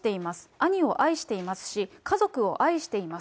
兄を愛していますし、家族を愛しています。